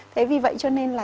thế vì vậy cho nên là